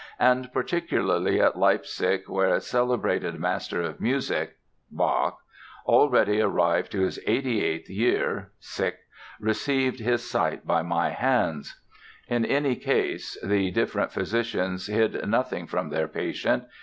and particularly at Leipsick, where a celebrated master of musick (Bach) already arrived to his 88th year received his sight by my hands." In any case, the different physicians hid nothing from their patient.